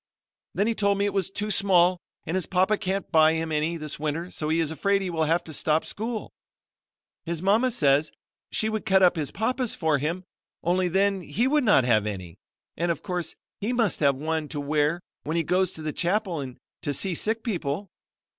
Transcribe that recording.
Then he told me it was too small and his papa can't buy him any this winter so he is afraid he will have to stop school. His mama says she would cut his papa's up for him, only then he would not have any; and of course he must have one to wear when he goes to the chapel and to see sick people.